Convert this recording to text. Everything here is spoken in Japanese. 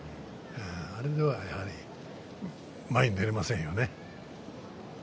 あれでは、やはり前に出れませんよね。